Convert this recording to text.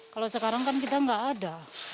kalau sekarang kan kita nggak ada